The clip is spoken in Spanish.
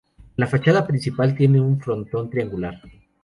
La fachada principal tiene un frontón triangular.